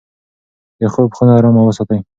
د خوب خونه ارامه وساتئ.